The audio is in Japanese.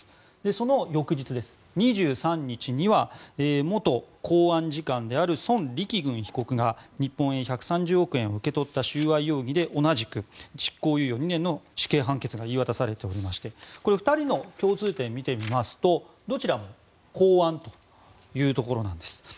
その翌日、２３日には元公安次官であるソン・リキグン被告が日本円で１３０億円を受け取った収賄容疑で同じく執行猶予２年の死刑判決が言い渡されていましてこれ、２人の共通点を見てみますとどちらも公安というところなんです。